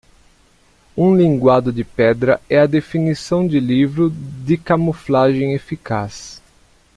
Um linguado de pedra é a definição de livro de camuflagem eficaz.